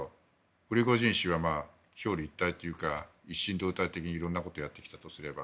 プリゴジン氏は表裏一体というか一心同体としていろいろなことをやってきたとすれば。